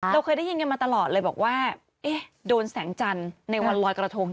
เราเคยได้ยินกันมาตลอดเลยบอกว่าโดนแสงจันทร์ในวันลอยกระทง